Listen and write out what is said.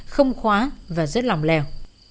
không khóa và rất lòng lèo